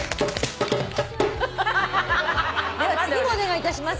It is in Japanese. では次もお願いいたします。